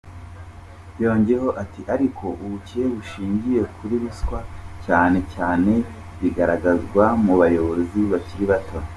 Yongeyeho ati “Ariko ubukire bushingiye kuri ruswa cyane cyane bwigaragaza mu bayobozi bakiri bato,.